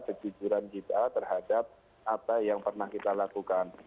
kejujuran kita terhadap apa yang pernah kita lakukan